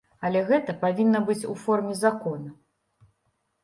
Але гэта павінна быць у форме закона.